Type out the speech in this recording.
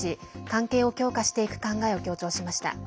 関係を強化していく考えを強調しました。